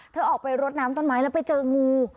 เธอออกไปรดน้ำต้นไม้แล้วไปเจองู